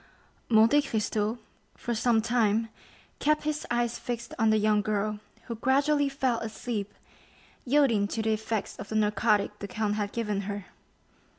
Monte Cristo for some time kept his eyes fixed on the young girl, who gradually fell asleep, yielding to the effects of the narcotic the count had given her.